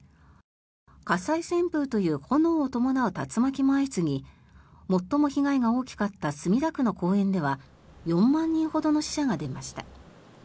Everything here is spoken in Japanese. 火災旋風という炎を伴う竜巻も相次ぎ最も被害が大きかった墨田区の公園では４万人ほどの死者が出ました。